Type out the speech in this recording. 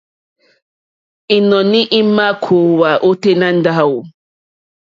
Ínɔ̀ní í mà kòòwá ôténá ndáwù.